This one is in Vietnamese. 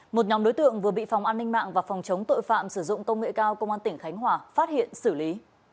một nhóm đối tượng vừa bị phòng an ninh mạng và phòng chống tội phạm sử dụng công nghệ cao công an tỉnh khánh hòa phát hiện xử lý